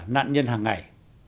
nạn nhân hàng ngày